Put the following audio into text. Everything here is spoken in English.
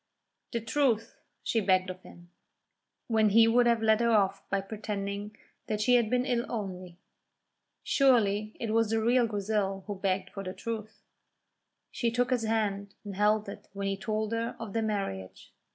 "The truth," she begged of him, when he would have led her off by pretending that she had been ill only. Surely it was the real Grizel who begged for the truth. She took his hand and held it when he told her of their marriage.